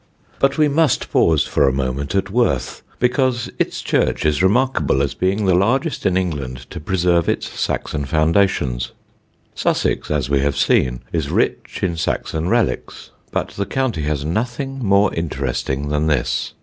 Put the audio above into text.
[Sidenote: WORTH CHURCH] But we must pause for a moment at Worth, because its church is remarkable as being the largest in England to preserve its Saxon foundations. Sussex, as we have seen, is rich in Saxon relics, but the county has nothing more interesting than this.